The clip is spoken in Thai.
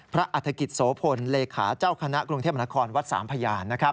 อัฐกิจโสพลเลขาเจ้าคณะกรุงเทพมนครวัดสามพยาน